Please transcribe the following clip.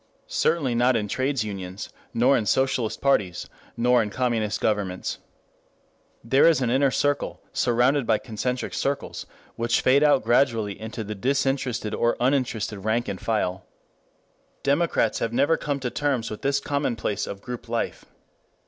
Certainly not in trades unions, nor in socialist parties, nor in communist governments. There is an inner circle, surrounded by concentric circles which fade out gradually into the disinterested or uninterested rank and file. Democrats have never come to terms with this commonplace of group life.